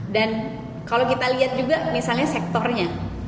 dan kalau kita lihat juga misalnya sektornya